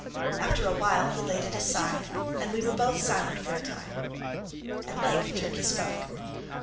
After a while he laid it aside, and we were both silent for a time. At length Turkey spoke.